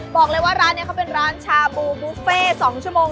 บอกเลยว่าร้านนี้เขาเป็นร้านชาบูบุฟเฟ่๒ชั่วโมง